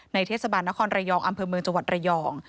เทศบาลนครระยองอำเภอเมืองจังหวัดระยอง